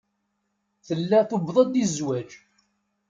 Tella tuweḍ-d i zzwaj.